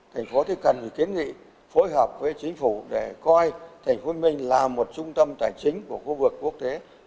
thành phố cần kiến nghị phối hợp với chính phủ để coi thành phố hồ chí minh là một trung tâm tài chính của khu vực quốc tế